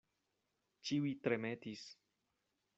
Ĉiuj tremetis.